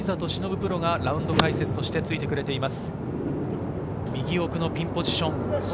プロがラウンド解説としてついています。